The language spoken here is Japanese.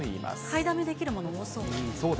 買いだめできるものも多そう。